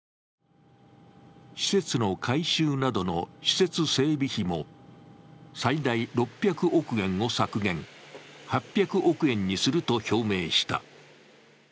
施設の改修などの施設整備費も最大６００億円を削減、８００億円にすると表明した。